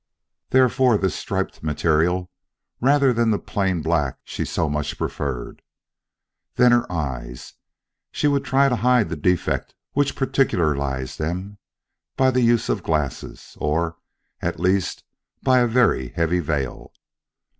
Therefore this striped material rather than the plain black she so much preferred. Then her eyes! She would try to hide the defect which particularized them, by the use of glasses or, at least, by a very heavy veil.